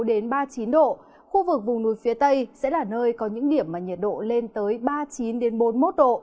đến ba mươi chín độ khu vực vùng núi phía tây sẽ là nơi có những điểm mà nhiệt độ lên tới ba mươi chín bốn mươi một độ